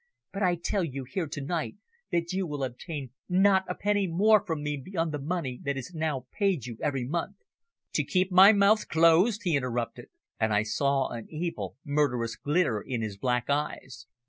But I tell you here to night that you will obtain not a penny more from me beyond the money that is now paid you every month." "To keep my mouth closed," he interrupted. And I saw an evil, murderous glitter in his black eyes.